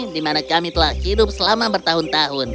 di mana kami telah hidup selama bertahun tahun